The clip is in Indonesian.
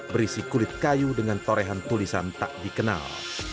berisi kulit kayu dengan torehan tulisan tak dikenal